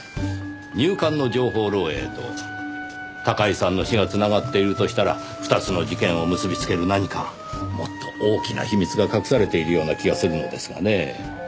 入管の情報漏洩と高井さんの死がつながっているとしたら２つの事件を結びつける何かもっと大きな秘密が隠されているような気がするのですがねぇ。